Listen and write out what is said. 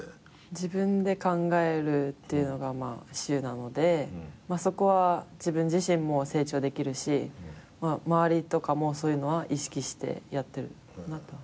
自分で考えるっていうのが主なのでそこは自分自身も成長できるし周りとかもそういうのは意識してやってるなと思います。